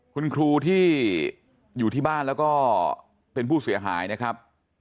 คุณครูที่อยู่ที่บ้านแล้วก็เป็นผู้เสียหายนะครับ